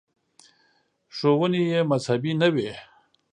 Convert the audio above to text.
• ښوونې یې مذهبي نه وې.